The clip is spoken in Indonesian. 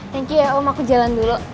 thank you ya om aku jalan dulu